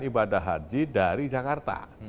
ibadah haji dari jakarta